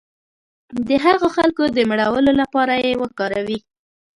د هغو خلکو د مړولو لپاره یې وکاروي.